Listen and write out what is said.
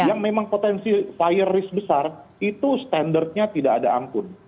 yang memang potensi fire risk besar itu standarnya tidak ada ampun